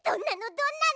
どんなの？